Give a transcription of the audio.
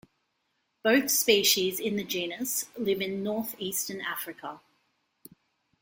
Both species in the genus live in North-eastern Africa.